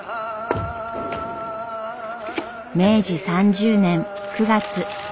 明治３０年９月。